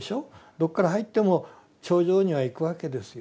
どこから入っても頂上には行くわけですよ。